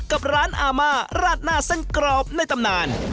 กับร้านอาม่าราดหน้าเส้นกรอบในตำนาน